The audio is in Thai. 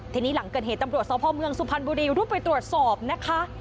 ทีนี้หลังเกิดเหตุตำรวจสพเมืองสุพรรณบุรีรุบไปตรวจสอบนะคะ